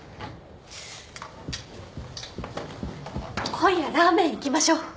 今夜ラーメン行きましょう！